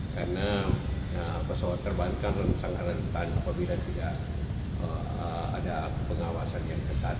karena pesawat terbangkan sangat rentan apabila tidak ada pengawasan yang ketat